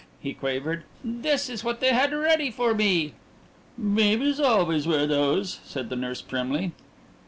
he quavered. "This is what they had ready for me." "Babies always wear those," said the nurse primly.